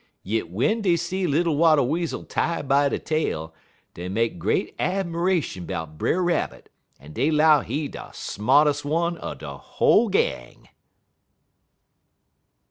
Yit w'en dey see little Wattle Weasel tie by de tail, dey make great 'miration 'bout Brer Rabbit, en dey 'low he de smartest one er de whole gang."